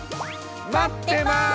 待ってます！